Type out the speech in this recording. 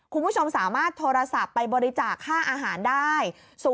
คุณผู้ชมสามารถโทรศัพท์ไปบริจาค่าอาหารได้๐๘๕๗๐๔๘๘๙๖